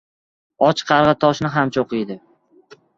• Och qarg‘a toshni ham cho‘qiydi.